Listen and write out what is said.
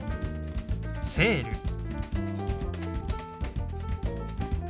「セール」。